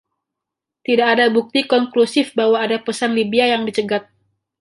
Tidak ada bukti konklusif bahwa ada pesan Libya yang dicegat.